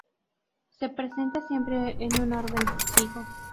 Se presenta siempre en un orden fijo.